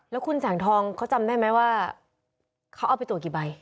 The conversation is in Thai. แล้วคุณแสงทองเขาจำได้ไหมว่าเขาเอาไปตรวจกี่ใบ